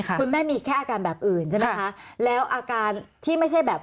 คุณแม่มีแค่อาการแบบอื่นใช่ไหมคะแล้วอาการที่ไม่ใช่แบบ